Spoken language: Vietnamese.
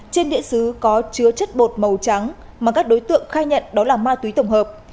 trên địa xứ có chứa chất bột màu trắng mà các đối tượng khai nhận đó là ma túy tổng hợp